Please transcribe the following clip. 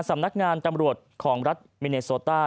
สำนักงานตำรวจของรัฐมิเนโซต้า